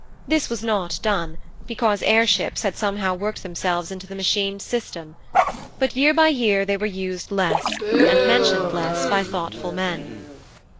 This was not done, because air ships had somehow worked themselves into the Machine's system. But year by year they were used less, and mentioned less by thoughtful men.